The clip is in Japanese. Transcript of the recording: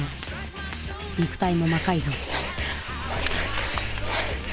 肉体も魔改造。